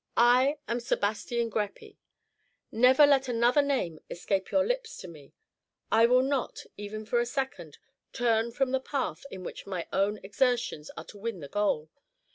I am Sebastian Greppi. Never let another name escape your lips to me. I will not, even for a second, turn from the path in which my own exertions are to win the goal.